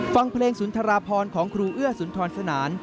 ฟังเพลงสุนทราพรของครูเอื้อสุนทรสนาน